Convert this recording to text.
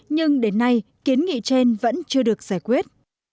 nhưng đến nay kiến nghị trên vẫn chưa được giải quyết